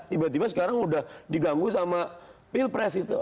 tiba tiba sekarang udah diganggu sama pilpres itu